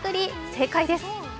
正解です。